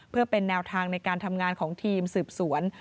เพื่อเป็นแนวทางในการทำงานของทีมสืบสวน